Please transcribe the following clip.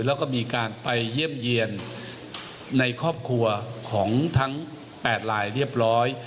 แล้วก็มีการไปเยี่ยมเยี่ยนในครอบครัวของทั้ง๘ลายเรียบร้อย